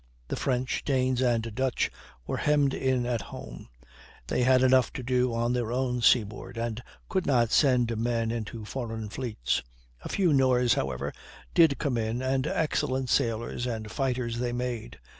The French, Danes, and Dutch were hemmed in at home; they had enough to do on their own seaboard, and could not send men into foreign fleets. A few Norse, however, did come in, and excellent sailors and fighters they made.